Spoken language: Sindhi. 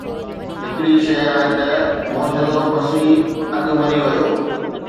هڪڙي شيء آهي ته معجزو مسيح اڳ مري ويو